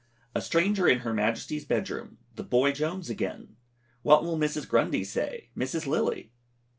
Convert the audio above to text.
A STRANGER IN HER MAJESTY'S BEDROOM. THE BOY JONES AGAIN! "What will Mrs. Grundy say Mrs. Lilley?"